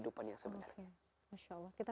dunia tempat meninggal kita